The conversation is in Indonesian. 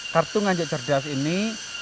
kartu nganjuk cerdas ini